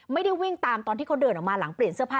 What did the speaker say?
วิ่งตามตอนที่เขาเดินออกมาหลังเปลี่ยนเสื้อผ้า